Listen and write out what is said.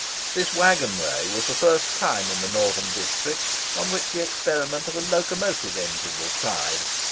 This waggon way was the first in the northern district on which the experiment of a locomotive engine was tried.